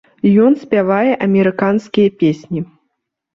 Ён спявае амерыканскія песні.